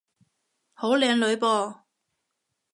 好靚女噃